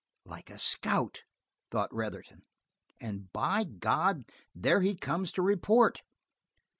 "Like a scout," thought Retherton. "And by God, there he comes to report!"